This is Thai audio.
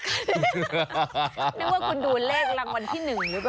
นึกว่าคุณดูเลขรางวัลที่๑หรือเปล่า